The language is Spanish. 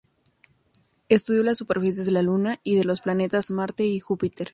Estudió las superficies de la Luna y de los planetas Marte y Júpiter.